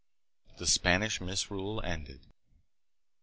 The Spanish Misrule Ended.